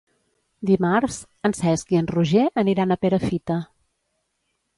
Dimarts en Cesc i en Roger aniran a Perafita.